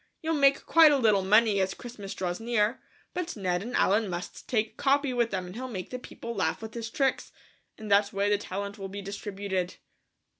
You'll make quite a little money as Christmas draws near, but Ned and Allen must take Capi with them and he'll make the people laugh with his tricks; in that way the talent will be distributed."